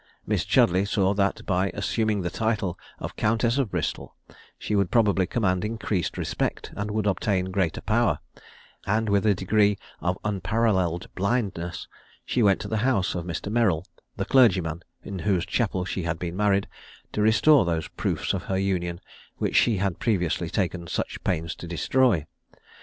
Miss Chudleigh saw that by assuming the title of Countess of Bristol she would probably command increased respect, and would obtain greater power; and with a degree of unparalleled blindness, she went to the house of Mr. Merrill, the clergyman in whose chapel she had been married, to restore those proofs of her union which she had previously taken such pains to destroy.